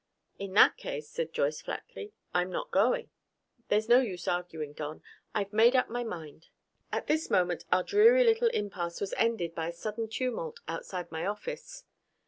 "In that case," said Joyce flatly, "I'm not going. There's no use arguing, Don. I've made up my mind " At this moment our dreary little impasse was ended by a sudden tumult outside my office.